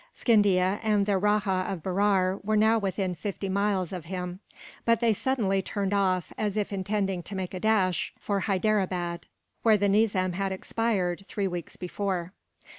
Scindia and the Rajah of Berar were now within forty miles of him; but they suddenly turned off, as if intending to make a dash for Hyderabad, where the Nizam had expired, three weeks before.